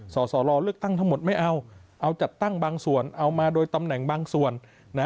สสลเลือกตั้งทั้งหมดไม่เอาเอาจัดตั้งบางส่วนเอามาโดยตำแหน่งบางส่วนนะ